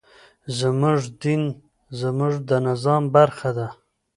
زموږ دين زموږ د نظام برخه ده.